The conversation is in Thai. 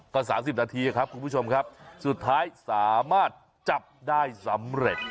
ก็๓๐นาทีครับคุณผู้ชมครับสุดท้ายสามารถจับได้สำเร็จ